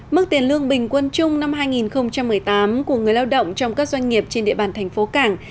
mức tiền lương bình quân chung năm hai nghìn một mươi tám của người lao động trong các doanh nghiệp trên địa bàn thành phố cảng